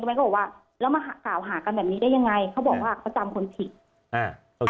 แม่ก็บอกว่าแล้วมากล่าวหากันแบบนี้ได้ยังไงเขาบอกว่าเขาจำคนผิดอ่า